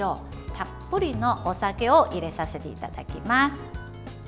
たっぷりのお酒を入れさせていただきます。